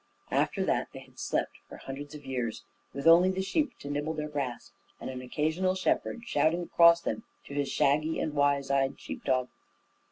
After that they had slept for hundreds of years, with only the sheep to nibble their grass, and an occasional shepherd shouting across them to his shaggy and wise eyed sheep dog.